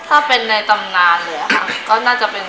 ถ้าเป็นในตำนานหรือนะคะก็น่าจะเป็น